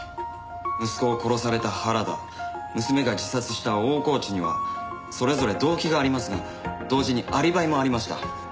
息子を殺された原田娘が自殺した大河内にはそれぞれ動機がありますが同時にアリバイもありました。